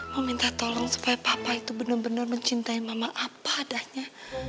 mau minta tolong supaya papa itu bener bener mencintai mama apadahnya